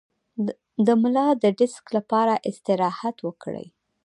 د ملا د ډیسک لپاره استراحت وکړئ